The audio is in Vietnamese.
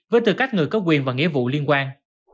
với tư cách người có quyền và nghĩa vụ liên quan